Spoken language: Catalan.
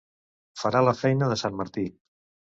Farà la feina de sant Martí.